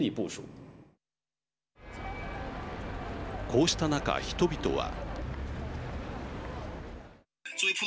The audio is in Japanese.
こうした中、人々は。